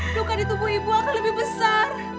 luka di tubuh ibu akan lebih besar